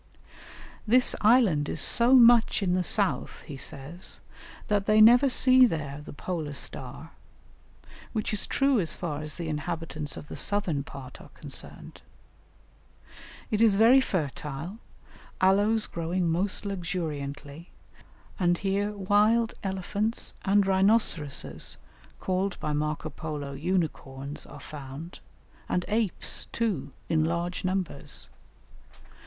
"This island is so much in the south," he says, "that they never see there the polar star," which is true as far as the inhabitants of the southern part are concerned. It is very fertile, aloes growing most luxuriantly; and here wild elephants and rhinoceroses (called by Marco Polo unicorns) are found, and apes, too, in large numbers.